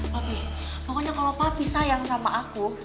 tapi pokoknya kalau papi sayang sama aku